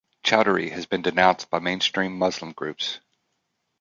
Choudary has been denounced by mainstream Muslim groups.